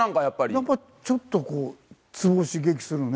やっぱちょっとこうツボ刺激するね。